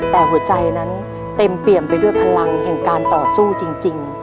แต่หัวใจนั้นเต็มเปี่ยมไปด้วยพลังแห่งการต่อสู้จริง